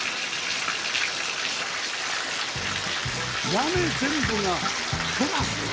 屋根全部がテラス？